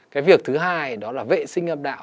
cái việc thứ hai đó là vệ sinh âm đạo